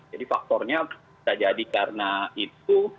jadi faktornya bisa jadi karena itu